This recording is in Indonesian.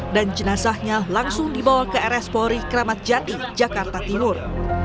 dan jenazahnya langsung dibawa ke rs polri kramatjati jakarta timur